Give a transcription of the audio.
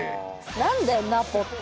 何だよ「ナポ」って。